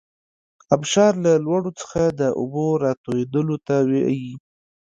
ابشار له لوړو څخه د اوبو راتویدلو ته وايي.